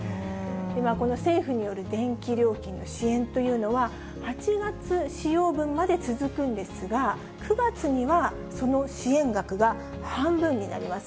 今、この政府による電気料金の支援というのは、８月使用分まで続くんですが、９月にはその支援額が半分になります。